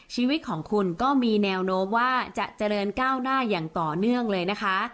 ชีวิตของคุณก็มีแนวโน้มว่าจะเจริญก้าวหน้าอย่างต่อเนื่องเลยนะคะ